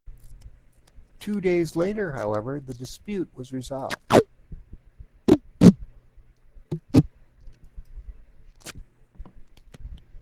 Two days later, however, the dispute was resolved.